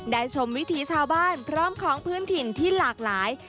ชมวิถีชาวบ้านพร้อมของพื้นถิ่นที่หลากหลาย